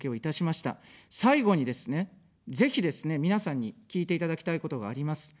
最後にですね、ぜひですね、皆さんに聞いていただきたいことがあります。